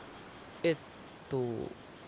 えっと。